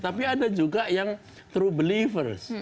tapi ada juga yang true believers